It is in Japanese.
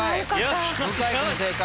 向井君正解。